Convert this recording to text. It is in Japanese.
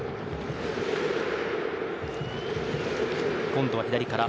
今度は左から。